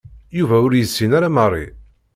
Yuba ur yessin ara Mary.